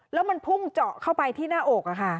แล้วมันพุ่งเจาะเข้าไปที่หน้าอก